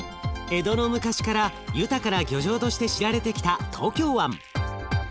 江戸の昔から豊かな漁場として知られてきた東京湾。